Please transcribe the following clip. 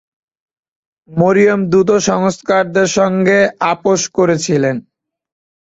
মরিয়ম দ্রুত সংস্কারকদের সঙ্গে আপোশ করেছিলেন।